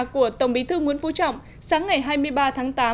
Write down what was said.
của tổng bí thư nguyễn phú trọng sáng ngày hai mươi ba tháng tám